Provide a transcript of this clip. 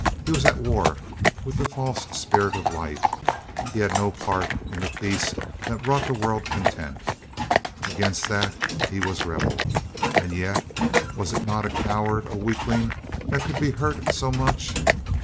He was at war with the false spirit of life. He had no part in the peace that brought the world content. Against that he was rebel. ... And yet was it not a coward, a weakling, that could be hurt so much?